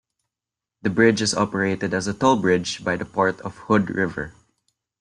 The bridge is operated as a toll bridge by the Port of Hood River.